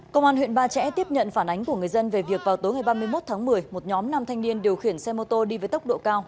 công an huyện ba trẻ tiếp nhận phản ánh của người dân về việc vào tối ngày ba mươi một tháng một mươi một nhóm nam thanh niên điều khiển xe mô tô đi với tốc độ cao